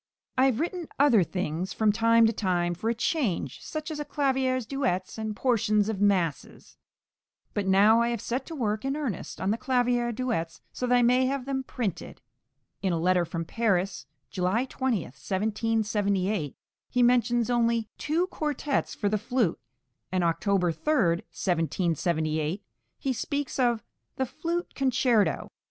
I have written other things from time to time for a change, such as clavier duets and portions of masses. But now I have set to work in earnest on the clavier duets, so that I may have them printed. In a letter from Paris (July 20, 1778) he mentions only "two quartets for the flute," and on October 3, 1778, he speaks of "the flute concerto."